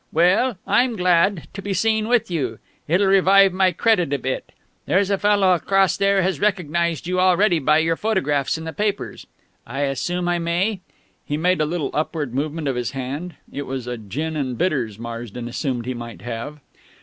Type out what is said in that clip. "Well, I'm glad to be seen with you. It'll revive my credit a bit. There's a fellow across there has recognised you already by your photographs in the papers.... I assume I may...?" He made a little upward movement of his hand. It was a gin and bitters Marsden assumed he might have.